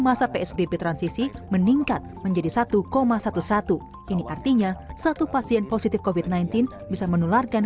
masa psbb transisi meningkat menjadi satu sebelas ini artinya satu pasien positif covid sembilan belas bisa menularkan